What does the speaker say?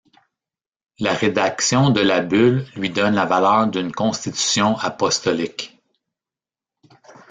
La rédaction de la bulle lui donne la valeur d'une constitution apostolique.